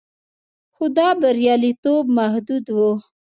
خو دا بریالیتوب محدود و